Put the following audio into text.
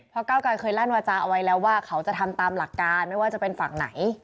เพราะเก้าไกรเคยลั่นวาจาเอาไว้แล้วว่าเขาจะทำตามหลักการไม่ว่าจะเป็นฝั่งไหน